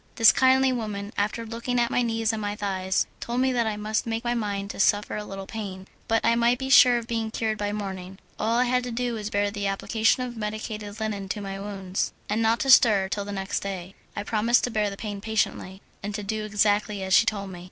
This kindly woman, after looking at my knees and my thighs, told me that I must make my mind to suffer a little pain, but I might be sure of being cured by the morning. All I had to do was to bear the application of medicated linen to my wounds, and not to stir till the next day. I promised to bear the pain patiently, and to do exactly as she told me.